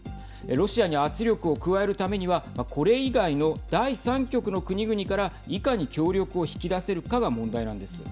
ロシアに圧力を加えるためにはこれ以外の第３極の国々からいかに協力を引き出せるかが問題なんです。